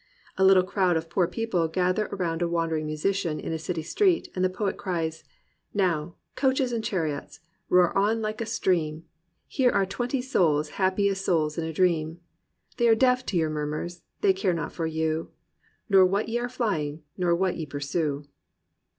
A Uttle crowd of j>oor people gather aroimd a wandering musician in a city street, and the poet cries, Now, coaches and chariots ! roar on like a stream; Here are twenty souls happy as souls in a dream; They are deaf to your miu:murs — they care not for you,^ Nor what ye are flying, nor what ye pursue